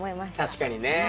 確かにね。